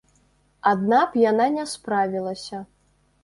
Адна б яна не справілася.